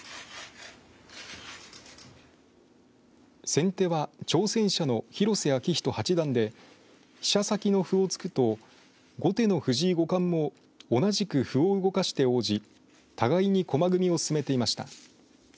先手は挑戦者の広瀬章人八段で飛車先の歩を突くと後手の藤井五冠も同じく歩を動かして応じ互いに駒組みを進めていました。